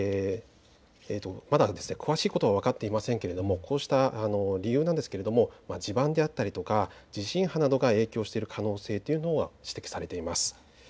まだ詳しいことは分かっていませんがこうした理由なんですが地盤であったり地震波などが影響している可能性というのが指摘されています。